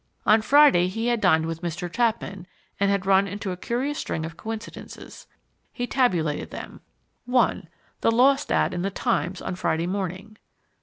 On Friday he had dined with Mr. Chapman, and had run into a curious string of coincidences. He tabulated them: (1) The Lost ad in the Times on Friday morning.